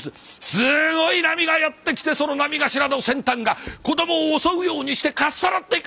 すごい波がやって来てその波頭の先端が子供を襲うようにしてかっさらっていく。